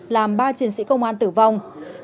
làm ba chiến sĩ công an tử vong